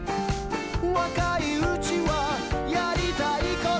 「若いうちはやりたいこと」